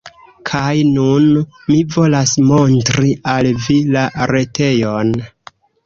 Kaj nun, mi volas montri al vi la retejon!